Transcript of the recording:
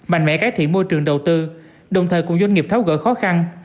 mạnh mẽ cải thiện môi trường đầu tư đồng thời cùng doanh nghiệp tháo gỡ khó khăn